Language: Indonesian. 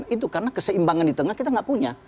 itu karena keseimbangan di tengah kita nggak punya